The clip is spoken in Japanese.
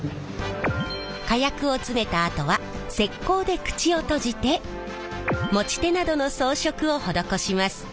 火薬を詰めたあとは石こうで口を閉じて持ち手などの装飾を施します。